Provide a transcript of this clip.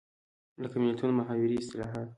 لکه متلونه، محاورې ،اصطلاحات